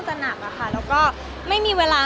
แต่คนต่างทำงานมากกว่า